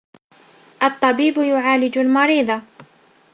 الطَّبِيبُ يُعَالَجُ الْمَرِيضَ.